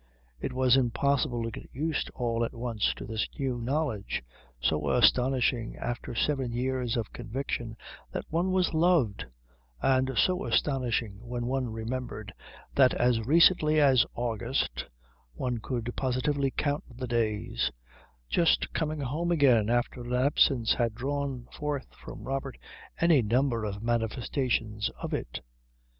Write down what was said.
It was impossible to get used all at once to this new knowledge, so astonishing after seven years of conviction that one was loved, and so astonishing when one remembered that as recently as August one could positively count the days just coming home again after an absence had drawn forth from Robert any number of manifestations of it.